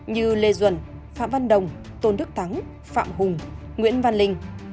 như lê duẩn phạm văn đồng tôn đức thắng phạm hùng nguyễn văn linh